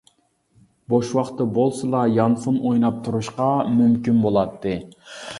بوش ۋاقتى بولسىلا يانفون ئويناپ تۇرۇشقا مۇمكىن بولاتتى.